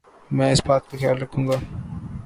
میں اس بات کا خیال رکھوں گا ـ